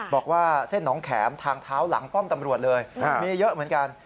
บอกว่าเส้นน้องแขมทางเท้าหลังป้อมตำรวจเลยมีเยอะเหมือนกัน